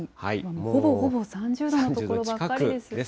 ほぼほぼ３０度の所ばっかりです。